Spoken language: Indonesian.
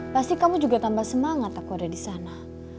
pasti kamu juga tambah semangat aku ada di sana